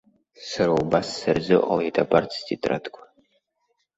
Сара убас сырзыҟалеит абарҭ стетрадқәа.